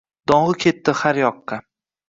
Dong‘i ketdi har yoqqa.